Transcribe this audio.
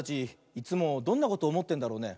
いつもどんなことおもってんだろうね。